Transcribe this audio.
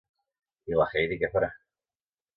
I la Heidi què farà?